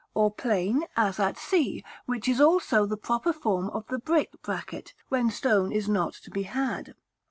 or plain, as at c, which is also the proper form of the brick bracket, when stone is not to be had.